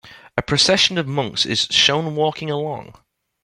A procession of monks is shown walking along.